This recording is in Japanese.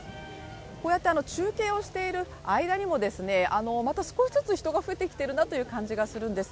こうやって中継をしている間にも、また少しずつ人が増えてきているなという感じがするんです。